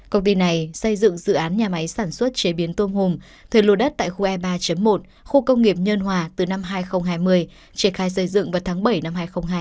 công ty này xây dựng dự án nhà máy sản xuất chế biến tôm hùm thuê lô đất tại khu e ba một khu công nghiệp nhân hòa từ năm hai nghìn hai mươi triển khai xây dựng vào tháng bảy năm hai nghìn hai mươi hai